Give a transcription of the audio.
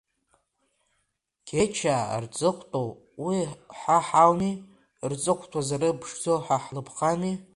Гьечаа рҵыхәтәоу уи ҳа ҳауми, рҵыхәтәа зырԥшӡо ҳа ҳлыԥхами.